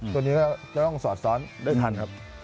ตัวนี้ก็จะต้องสอดซ้อนได้ทันครับ